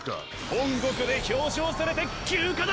本国で表彰されて休暇だ！